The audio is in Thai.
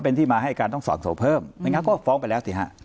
เป็นที่มาให้การต้องสอดโสเพิ่มไม่งั้นก็ฟ้องไปแล้วสิฮะ